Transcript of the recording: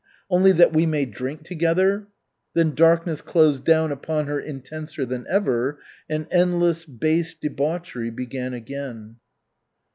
Only that we may drink together?" Then darkness closed down upon her intenser than ever, and endless, base debauchery began again.